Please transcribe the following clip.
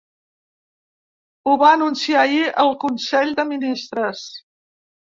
Ho va anunciar ahir el consell de ministres.